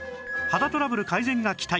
肌トラブル改善が期待！